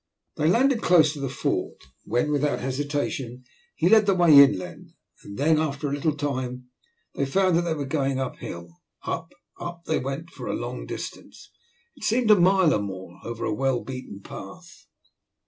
They landed close to the fort, when without hesitation he led the way inland, and then after a little time they found that they were going up hill. Up, up they went for a long distance, it seemed a mile or more, over a well beaten path.